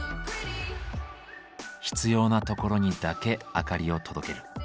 必要なところにだけ明かりを届ける。